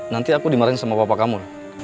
nanti aku dimarahin sama bapak kamu